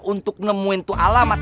untuk nemuin tuh alamat